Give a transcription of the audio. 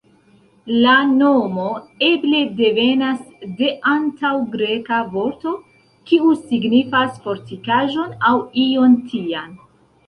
La nomo eble devenas de antaŭ-Greka vorto kiu signifas "fortikaĵon" aŭ ion tian.